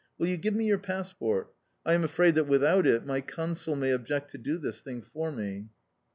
Will you give me your passport? I am afraid that without it my Consul may object to do this thing for me."